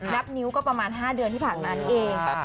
นับนิ้วก็ประมาณ๕เดือนที่ผ่านมานี่เอง